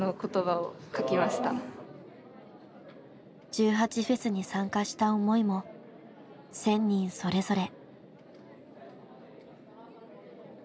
１８祭に参加した思いも１，０００人それぞれ。